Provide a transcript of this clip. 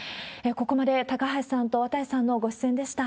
ここまで高橋さんと綿井さんのご出演でした。